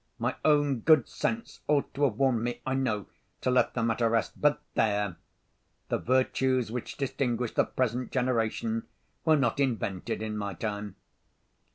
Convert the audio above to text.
My own good sense ought to have warned me, I know, to let the matter rest—but, there! the virtues which distinguish the present generation were not invented in my time.